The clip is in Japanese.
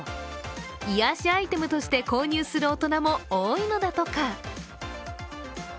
癒やしアイテムとして購入する大人も多いのだとか。